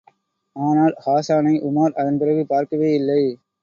ஆனால், ஹாஸானை உமார் அதன் பிறகு பார்க்கவேயில்லை.